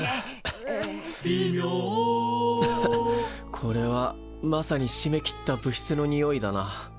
これはまさに閉めきった部室のにおいだな。